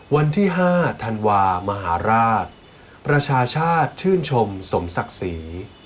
วันที่๕ธันวามหาราชประชาชาติชื่นชมสมศักดิ์ศรี